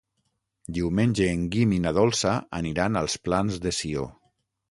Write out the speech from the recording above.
Diumenge en Guim i na Dolça aniran als Plans de Sió.